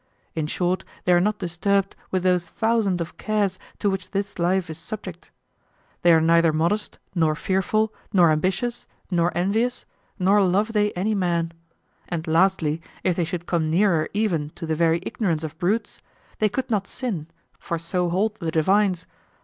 In short, they are not disturbed with those thousand of cares to which this life is subject. They are neither modest, nor fearful, nor ambitious, nor envious, nor love they any man. And lastly, if they should come nearer even to the very ignorance of brutes, they could not sin, for so hold the divines.